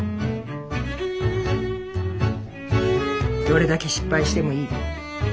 どれだけ失敗してもいい。